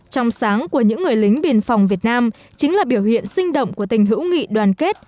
trong sáng của những người lính biên phòng việt nam chính là biểu hiện sinh động của tình hữu nghị đoàn kết